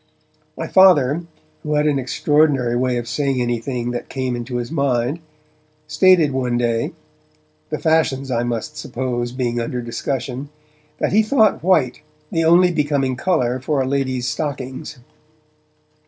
My Father, who had an extraordinary way of saying anything what Came into his mind, stated one day, the fashions, I must suppose, being under discussion, that he thought white the only becoming colour for a lady's stockings.